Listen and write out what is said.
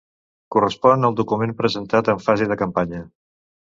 Correspon al document presentat en fase de campanya.